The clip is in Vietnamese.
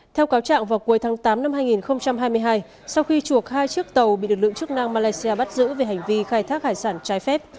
theo cáo trạng vào cuối tháng tám năm hai nghìn hai mươi hai sau khi chuộc hai chiếc tàu bị lực lượng chức năng malaysia bắt giữ về hành vi khai thác hải sản trái phép